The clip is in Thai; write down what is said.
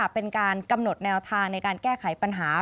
เป็นการกำหนดแนวทางในการแก้ไขปัญหา